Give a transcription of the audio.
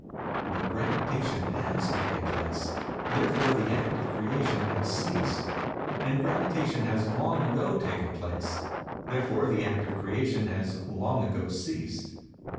But gravitation has taken place; therefore the act of Creation has ceased: and gravitation has long ago taken place; therefore the act of Creation has long ago ceased.